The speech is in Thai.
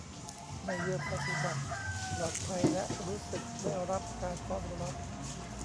ไม่เลือกปฏิบัติ ปลอดภัยและรู้สึกได้รับการต้อนรับ